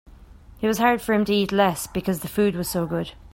It was hard for him to eat less because the food was so good.